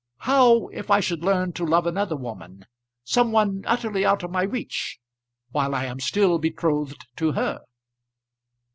How, if I should learn to love another woman, some one utterly out of my reach, while I am still betrothed to her?"